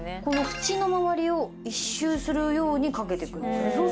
このフチの周りを一周するようにかけていくんですよね。